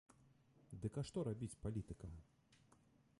Дык а што рабіць палітыкам?